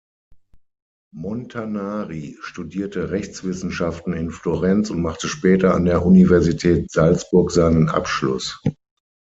Montanari studierte Rechtswissenschaften in Florenz und machte später an der Universität Salzburg seinen Abschluss.